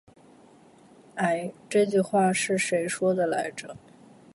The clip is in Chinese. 欸，这句话是谁说的来着。